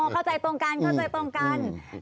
เข้าใจตรงกัน